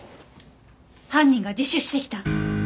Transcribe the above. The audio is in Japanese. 犯人が自首してきた！？